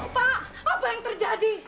pak apa yang terjadi